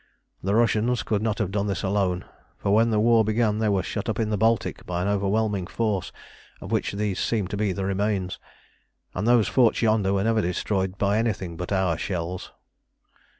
"The Russians could not have done this alone, for when the war began they were shut up in the Baltic by an overwhelming force, of which these seem to be the remains. And those forts yonder were never destroyed by anything but our shells."